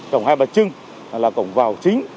cổng hai bật chưng là cổng vào chính